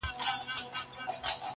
که پنجشېر دی، که واخان دی، وطن زما دی!.